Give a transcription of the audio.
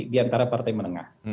diantara partai menengah